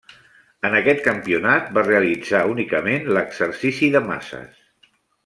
En aquest campionat va realitzar únicament l'exercici de maces.